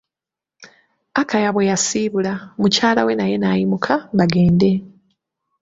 Akaya bwe yasiibula, mukyala we naye n'ayimuka bagende.